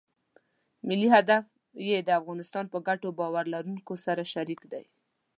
ملي هدف یې د افغانستان په ګټو باور لرونکو سره شریک دی.